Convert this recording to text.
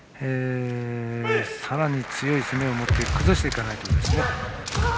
さらに強い攻めをもって崩していかないとですね。